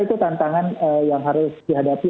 itu tantangan yang harus dihadapi